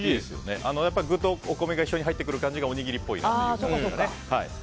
具とお米一緒に入ってくる感じがおにぎりっぽいですよね。